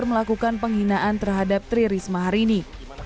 melakukan penghinaan terhadap tri risma hari ini